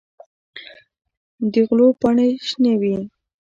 د غلو پاڼې شنه وي.